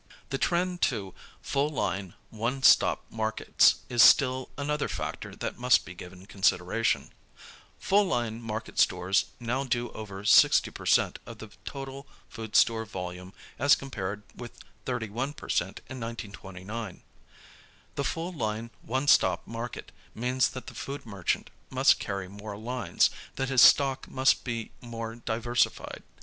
The trend to full line, one stop markets is still another factor that must be given consideration. Full line market stores now do over 60% of the total food store volume as compared with 31% in 1929. The full line, one stop market means that the food merchant must carry more lines, that his stock must be more diversified.